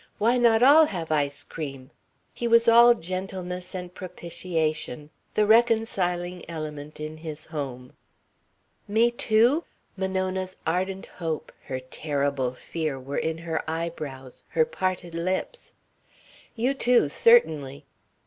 Why not all have ice cream...." He was all gentleness and propitiation, the reconciling element in his home. "Me too?" Monona's ardent hope, her terrible fear were in her eyebrows, her parted lips. "You too, certainly."